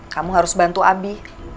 kamu harus bantu abi